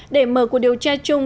để mở cuộc điều tra chung